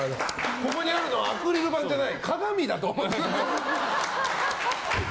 ここにあるのはアクリル板じゃない。